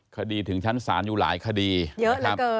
ขดีถึงฉันสานอยู่หลายขณะ